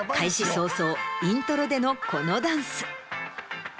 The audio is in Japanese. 早々イントロでのこのダンス。